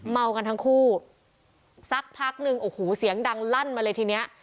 เมากันทั้งคู่สักพักนึงโอ้โหเสียงดังลั่นมาเลยทีเนี้ย